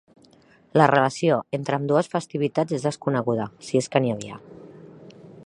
La relació entre ambdues festivitats és desconeguda, si és que n'hi havia.